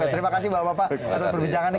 terima kasih bapak bapak atas perbincangannya